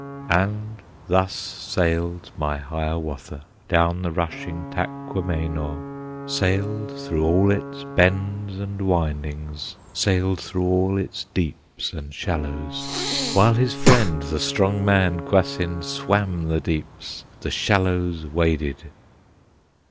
And thus sailed my Hiawatha Down the rushing Taquamenaw, Sailed through all its bends and windings, Sailed through all its deeps and shallows, While his friend, the strong man, Kwasind, Swam the deeps, the shallows waded.